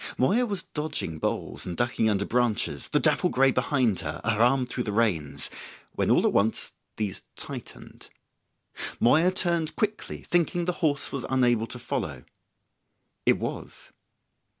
Moya was dodging boles and ducking under branches, the dapple grey behind her, her arm through the reins, when all at once these tightened. Moya turned quickly, thinking the horse was unable to follow. It was.